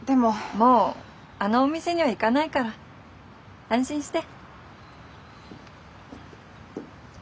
もうあのお店には行かないから安心して。